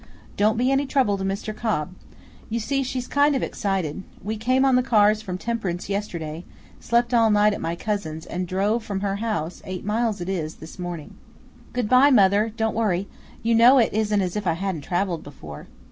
Don't be any trouble to Mr. Cobb. You see, she's kind of excited. We came on the cars from Temperance yesterday, slept all night at my cousin's, and drove from her house eight miles it is this morning." "Good by, mother, don't worry; you know it isn't as if I hadn't traveled before."